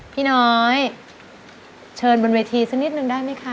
พี่น้อยเชิญบนเวทีสักนิดนึงได้ไหมคะ